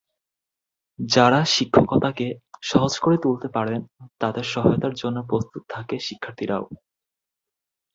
যাঁরা শিক্ষকতাকে সহজ করে তুলতে পারেন, তাঁদের সহায়তার জন্য প্রস্তুত থাকে শিক্ষার্থীরাও।